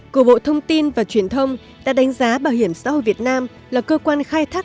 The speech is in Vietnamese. của bộ thông tin và truyền thông đã đánh giá bảo hiểm xã hội việt nam là cơ quan khai thác